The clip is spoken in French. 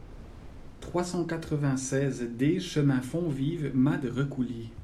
trois cent quatre-vingt-seize D chemin Fonvive Mas de Recouly